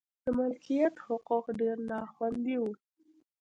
د مالکیت حقوق ډېر نا خوندي و.